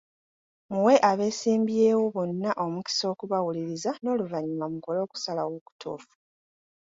Muwe abeesimbyewo bonna omukisa okubawuliriza n’oluvanyuma mukole okusalawo okutuufu.